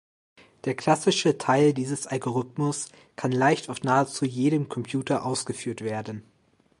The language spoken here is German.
Der klassische Teil dieses Algorithmus kann leicht auf nahezu jedem Computer ausgeführt werden.